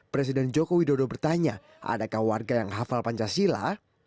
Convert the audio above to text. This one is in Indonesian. presiden joko widodo bertanya adakah warga yang hafal pancasila